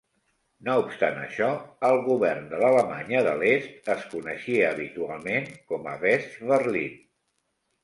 No obstant això, el govern de l'Alemanya de l'Est es coneixia habitualment com a "Westberlin".